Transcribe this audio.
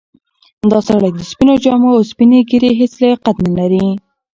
دا سړی د سپینو جامو او سپینې ږیرې هیڅ لیاقت نه لري.